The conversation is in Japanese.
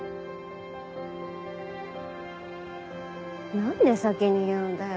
何で先に言うんだよ。